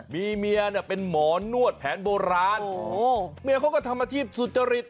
มีเมียเป็นหมอนวจแผนโบราณเมียเค้าก็ทำอาทิตย์สัญลิต